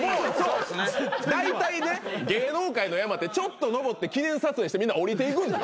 だいたいね芸能界の山ってちょっと登って記念撮影してみんな下りていくんで。